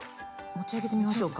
持ち上げてみましょうか。